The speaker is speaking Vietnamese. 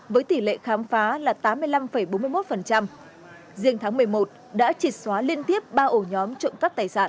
với tỷ lệ khám phá là tám mươi năm bốn mươi một riêng tháng một mươi một đã trịt xóa liên tiếp ba ổ nhóm trộm cắp tài sản